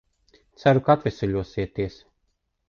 Ceru, ka atveseļosieties.